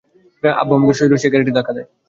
আব্বু-আম্মুকে সজোরে সেই গাড়িটি ধাক্কা দেয়।